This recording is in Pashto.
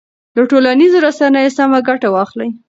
له ټولنیزو رسنیو سمه ګټه واخلئ.